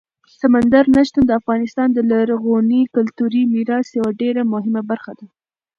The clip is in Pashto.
سمندر نه شتون د افغانستان د لرغوني کلتوري میراث یوه ډېره مهمه برخه ده.